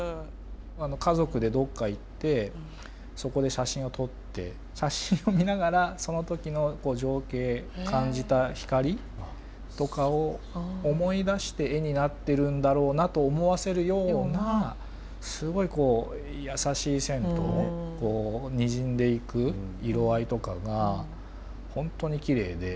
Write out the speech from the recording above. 家族でどっか行ってそこで写真を撮って写真を見ながらその時の情景感じた光とかを思い出して絵になってるんだろうなと思わせるようなすごいこう優しい線とにじんでいく色合いとかが本当にきれいで。